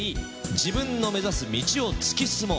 自分の目指す道を突き進もう。